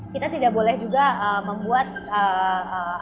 kita tidak boleh juga membuat apa konflik